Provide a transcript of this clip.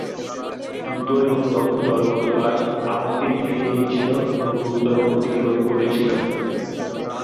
দ্রুত এবং দক্ষ দলগত কাজ আগুনকে নিভিয়ে দিয়েছিল এবং গুরুতর ক্ষতিকে রোধ করেছিল।